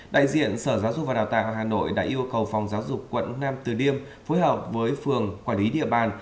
đại diện sở giáo dục và đào tạo hà nội đã yêu cầu phòng giáo dục quận nam từ liêm phối hợp với phường quản lý địa bàn